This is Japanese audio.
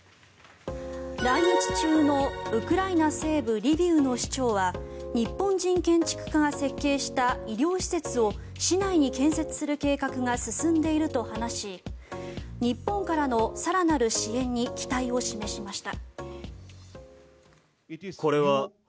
来日中のウクライナ西部リビウの市長は日本人建築家が設計した医療施設を市内に建設する計画が進んでいると話し日本からの更なる支援に期待を示しました。